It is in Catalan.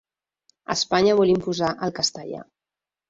Espanya vol imposar el castellà